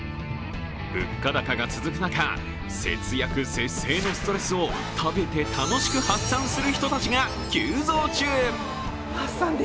物価高が続く中、節約・節制のストレスを食べて楽しく発散する人たちが急増中。